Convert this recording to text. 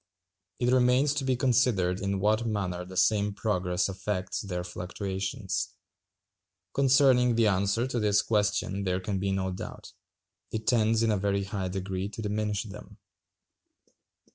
It remains to be considered in what manner the same progress affects their fluctuations. Concerning the answer to this question there can be no doubt. It tends in a very high degree to diminish them.